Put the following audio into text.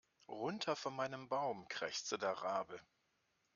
Runter von meinem Baum, krächzte der Rabe.